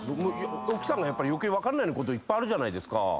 奥さんが分かんないこといっぱいあるじゃないですか。